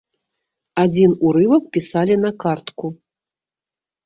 Адзін урывак пісалі на картку.